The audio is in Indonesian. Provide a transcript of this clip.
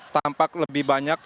tampak lebih banyak